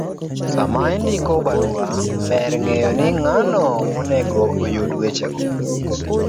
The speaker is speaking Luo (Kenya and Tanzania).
Sama indiko barua , ber ng'eyo ni ng'ano monego oyud wechego,